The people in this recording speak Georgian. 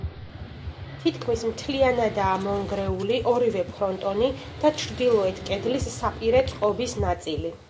თითქმის მთლიანადაა მონგრეული ორივე ფრონტონი და ჩრდილოეთ კედლის საპირე წყობის ნაწილი.